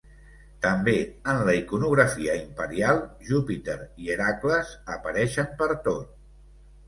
També en la iconografia imperial Júpiter i Hèracles apareixen pertot.